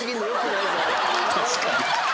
確かに。